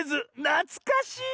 なつかしい。